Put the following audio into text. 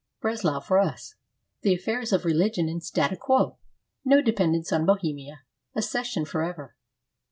Breslau for us. The affairs of re ligion in statu quo. No dependence on Bohemia; a ces sion forever.